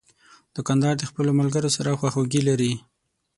دوکاندار د خپلو ملګرو سره خواخوږي لري.